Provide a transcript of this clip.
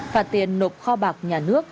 phạt tiền nộp kho bạc nhà nước